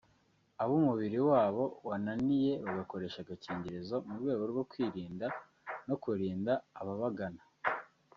abo umubiri wabo wananiye bagakoresha agakingirizo mu rwego rwo kwirinda no kurinda ababagana